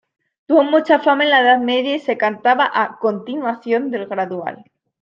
Tuvo mucha fama en la edad media y se cantaba a continuación del gradual.